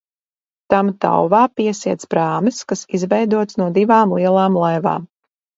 Tam tauvā piesiets prāmis, kas izveidots no divām lielām laivām.